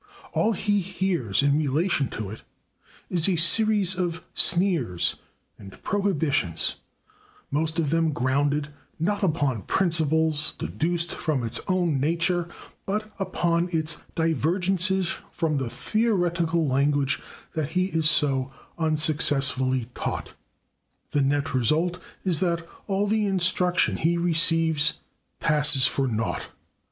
All he hears in relation to it is a series of sneers and prohibitions, most of them grounded, not upon principles deduced from its own nature, but upon its divergences from the theoretical language that he is so unsuccessfully taught. The net result is that all the instruction he receives passes for naught.